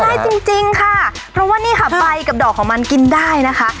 ได้จริงจริงค่ะเพราะว่านี่ค่ะไฟกับดอกของมันกินได้นะคะ